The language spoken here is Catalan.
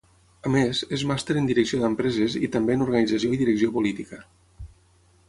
A més, és màster en direcció d'empreses i també en organització i direcció política.